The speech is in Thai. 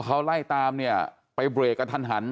เขาไล่ตามเนี่ยไปเบรกกระทันหัน